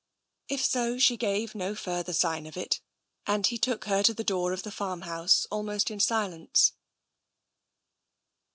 If so, she gave no further sign of it, and he took her to the door of the farmhouse almost in silence.